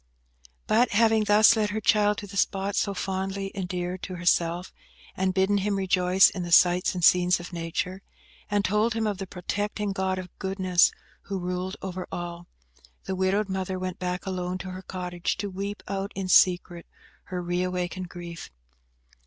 But having thus led her child to the spot so fondly endeared to herself, and bidden him rejoice in the sights and scenes of Nature, and told him of the protecting God of goodness who ruled over all, the widowed mother went back alone to her cottage, to weep out in secret her re awakened grief.